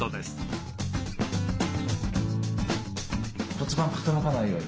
骨盤傾かないように。